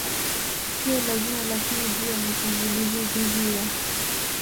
siyo lazima Lakini juu ya mashambulizi dhidi ya